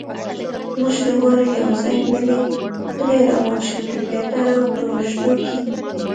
موږ دواړه یو ځای پلی روان شو، د پیاده رو په اوږدو کې.